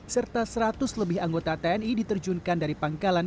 serta seratus lebih anggota tni diterjunkan dari pangkalan